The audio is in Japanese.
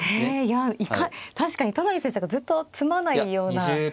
へえ確かに都成先生がずっと詰まないような。